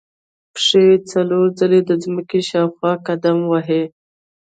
پښې څلور ځلې د ځمکې شاوخوا قدم وهي.